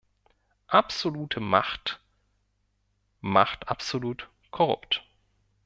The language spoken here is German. Absolute Macht macht absolut korrupt.